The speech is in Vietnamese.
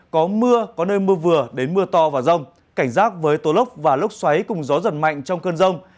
có mưa có nơi mưa vừa đến mưa to và rông cảnh giác với tô lốc và lốc xoáy cùng gió giật mạnh trong cơn rông